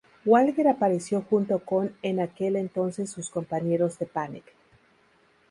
Walker apareció junto con en aquel entonces sus compañeros de Panic!